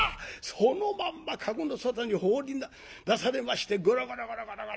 そのまんま駕籠の外に放り出されましてゴロゴロゴロゴロゴロ！